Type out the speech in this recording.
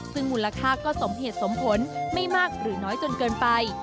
ซึ่งมูลค่าก็สมเหตุสมผลไม่มากหรือน้อยจนเกินไป